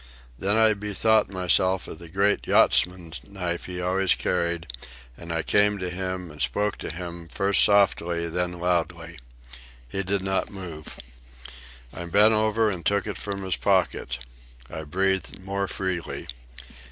Then I bethought me of the great yachtsman's knife he always carried, and I came to him and spoke to him, first softly, then loudly. He did not move. I bent over and took it from his pocket. I breathed more freely.